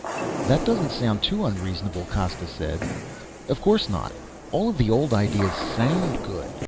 "That doesn't sound too unreasonable," Costa said. "Of course not. All of the old ideas sound good.